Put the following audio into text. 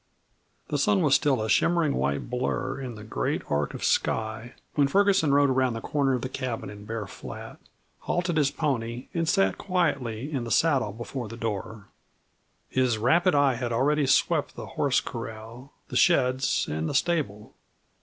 The sun was still a shimmering white blur in the great arc of sky when Ferguson rode around the corner of the cabin in Bear Flat, halted his pony, and sat quietly in the saddle before the door. His rapid eye had already swept the horse corral, the sheds, and the stable.